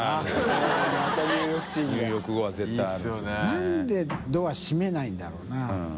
なんでドア閉めないんだろうな？